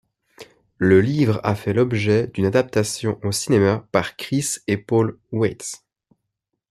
Le livre a fait l'objet d'une adaptation au cinéma par Chris et Paul Weitz.